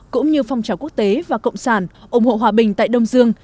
cũng như phong trào quốc tế và cộng sản ủng hộ hòa bình tại đông dương